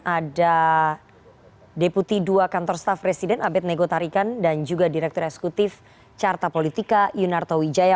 ada deputi dua kantor staff presiden abed nego tarikan dan juga direktur eksekutif carta politika yunarto wijaya